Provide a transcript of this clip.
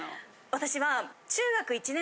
私は。